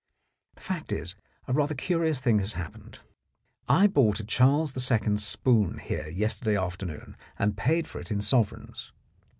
The fact is, a rather curious thing has happened. I bought a Charles II. spoon here yester day afternoon and paid for it in sovereigns.